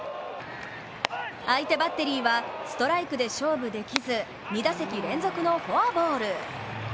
相手バッテリーはストライクで勝負できず２打席連続のフォアボール。